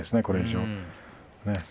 これ以上。